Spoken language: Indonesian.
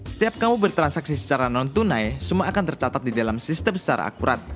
setiap kamu bertransaksi secara non tunai semua akan tercatat di dalam sistem secara akurat